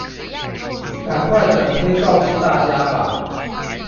趕快轉貼告知大家吧！